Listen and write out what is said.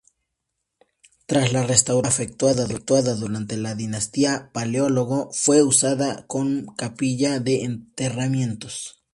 Tras la restauración efectuada durante la dinastía Paleólogo fue usada com capilla de enterramientos.